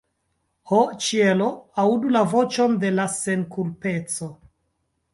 Ho ĉielo, aŭdu la voĉon de la senkulpeco!